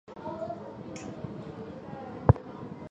申东烨是韩国的一名主持人及喜剧演员。